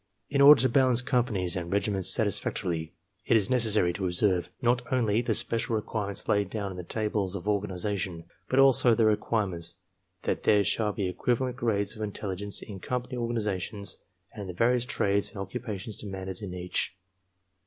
In order to balance companies and regi ments satisfactorily it is necessary to observe not only the special requirements laid down in the tables of organization, but also the requirement that there shall be equivalent grades of intelli gence in company organizations and in the various trades and occupations demanded in each.